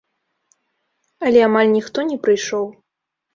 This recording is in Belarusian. Але амаль ніхто не прыйшоў.